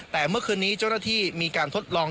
แต่เมื่อคืนนี้เจ้าหน้าที่มีการทดลอง